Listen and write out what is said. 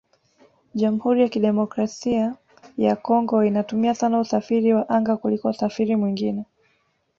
Jamhuri ya Kidemokrasia ya Congo inatumia sana usafiri wa anga kuliko usafiri mwingine